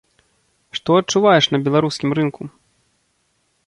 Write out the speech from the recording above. Што адчуваеш на беларускім рынку?